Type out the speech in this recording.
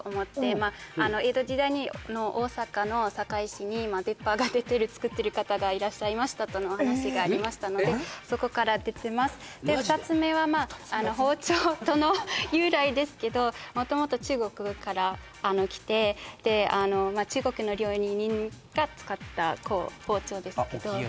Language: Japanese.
まあ江戸時代の大阪の堺市に出っ歯が出てる作ってる方がいらっしゃいましたとのお話がありましたのでそこから出てますで２つ目はまあ包丁との由来ですけど元々中国から来てで中国の料理人が使った包丁ですけど